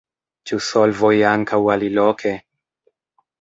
Ĉu solvoj ankaŭ aliloke?